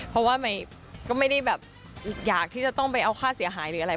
เพราะว่าก็ไม่ได้แบบอยากที่จะต้องไปเอาค่าเสียหายหรืออะไร